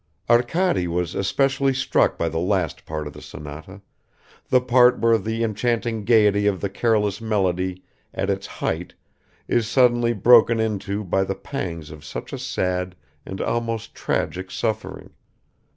Arkady was especially struck by the last part of the sonata, the part where the enchanting gaiety of the careless melody at its height is suddenly broken into by the pangs of such a sad and almost tragic suffering